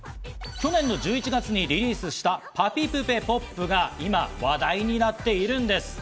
去年の１１月にリリースした『ぱぴぷぺＰＯＰ！』が今、話題になっているんです。